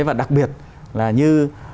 và đặc biệt là như